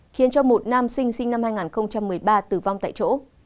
khiến cho một nam sinh sinh năm hai nghìn một mươi ba tử vong tại chỗ